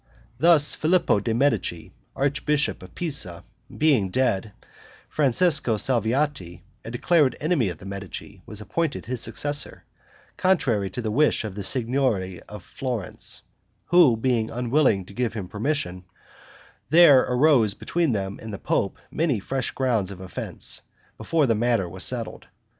Thus Filippo de' Medici, archbishop of Pisa, being dead, Francesco Salviati, a declared enemy of the Medici, was appointed his successor, contrary to the wish of the Signory of Florence, who being unwilling to give him possession, there arose between them and the pope many fresh grounds of offense, before the matter was settled.